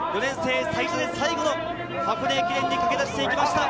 ４年生、最初で最後の箱根駅伝にかけ出していきました。